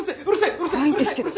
怖いんですけど。